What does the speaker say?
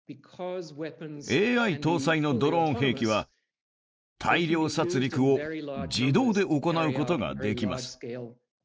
ＡＩ搭載のドローン兵器は、大量殺りくを自動で行うことができます。